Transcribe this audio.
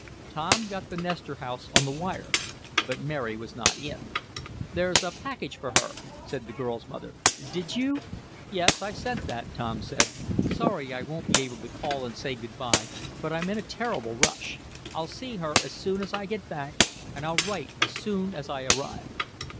Tom got the Nestor house on the wire. But Mary was not in. "There's a package here for her," said the girl's mother. "Did you ?" "Yes, I sent that," Tom said. "Sorry I won't be able to call and say good bye, but I'm in a terrible rush. I'll see her as soon as I get back, and I'll write as soon as I arrive."